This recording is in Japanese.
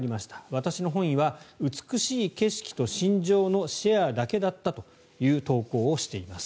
私の本意は美しい景色と心情のシェアだけだったという投稿をしています。